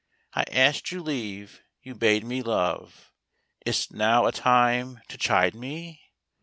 I asked you leave, you bade me love; Is't now a time to chide me?